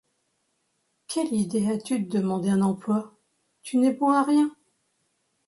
Quelle idée as-tu de demander un emploi? tu n’es bon à rien.